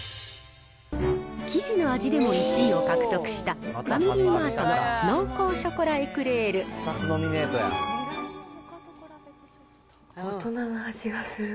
生地の味でも１位を獲得した、ファミリーマートの濃厚ショコ大人の味がする。